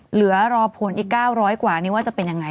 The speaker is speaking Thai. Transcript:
เหลือรอผลอีก๙๐๐กว่านี้ว่าจะเป็นยังไง